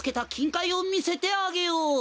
かいをみせてあげよう。